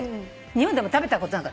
日本でも食べたことない。